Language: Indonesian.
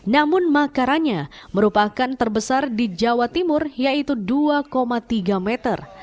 namun makaranya merupakan terbesar di jawa timur yaitu dua tiga meter